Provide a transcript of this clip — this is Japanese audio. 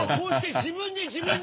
自分で自分に？